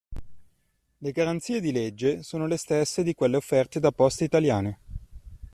Le garanzie di legge sono le stesse di quelle offerte da Poste italiane.